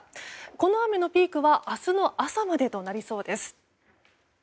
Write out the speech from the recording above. この雨のピークは明日の朝までとなりそうです。